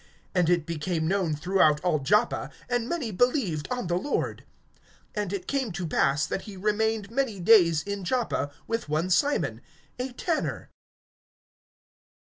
(42)And it became known throughout all Joppa; and many believed on the Lord. (43)And it came to pass, that he remained many days in Joppa, with one Simon, a tanner.